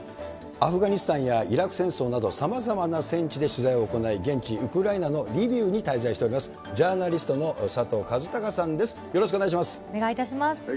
アフガニスタンやイラク戦争など、さまざまな戦地で取材を行い、現地ウクライナのリビウに滞在しております、ジャーナリストの佐藤和孝さんです。